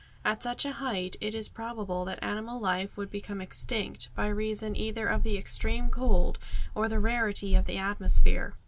At such a height it is probable that animal life would become extinct, by reason either of the extreme cold or the rarity of the atmosphere.